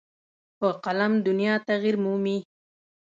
په قلم دنیا تغیر مومي.